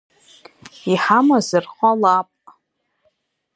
Иҳамазар ҟалап.